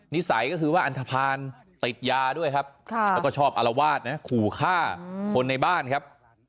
นิสัยก็คือว่าอันทภาณติดยาด้วยครับแล้วก็ชอบอารวาสนะขู่ฆ่าคนในบ้านครับ